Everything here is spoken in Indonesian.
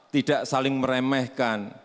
tidak saling meremehkan